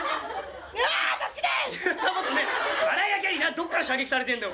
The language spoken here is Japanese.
どこから射撃されてるんだよ。